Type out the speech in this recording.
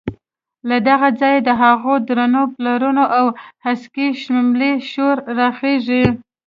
له دغه ځایه د هغو درنو پلونو او هسکې شملې شور راخېژي.